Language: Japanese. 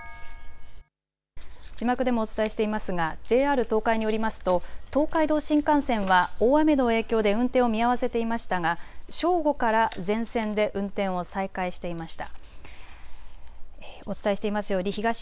字幕でもお伝えしていますがＪＲ東海によりますと東海道新幹線は大雨の影響で運転を見合わせていましたが正午から全線で運転を再開していました。